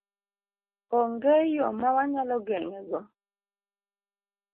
Onge yo ma wanyalo geng'e go?